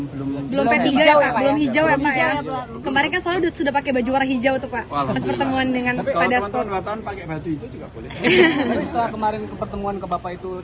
belum belum hijau hijau kemarin sudah pakai baju warna hijau juga kemarin ke pertemuan ke bapak itu